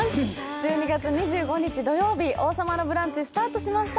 １２月２５日土曜日、「王様のブランチ」スタートしました。